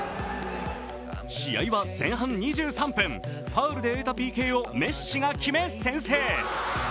試合は前半２３分、ファウルで得たＰＫをメッシが決め、先制。